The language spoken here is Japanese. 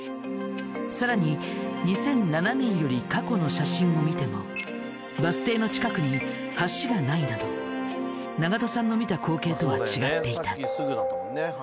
さらに２００７年より過去の写真を見てもバス停の近くに橋がないなど長門さんの見た光景とは違っていた。